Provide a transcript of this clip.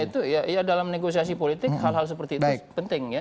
itu ya dalam negosiasi politik hal hal seperti itu penting ya